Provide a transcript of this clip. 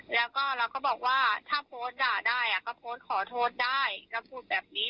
แล้วก็เราก็บอกว่าถ้าโพสต์ด่าได้ก็โพสต์ขอโทษได้ก็พูดแบบนี้